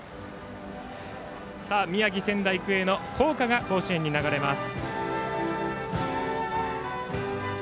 宮城・仙台育英の校歌が甲子園に流れます。